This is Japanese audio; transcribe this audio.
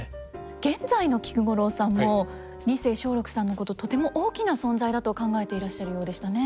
現在の菊五郎さんも二世松緑さんのこととても大きな存在だと考えていらっしゃるようでしたね。